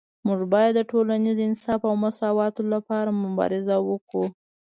موږ باید د ټولنیز انصاف او مساوات لپاره مبارزه وکړو